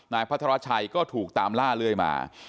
นายพัฒนาวัชชัยก็ถูกตามล่าเรื่อยมา